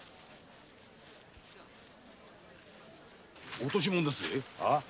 落とし物ですぜ。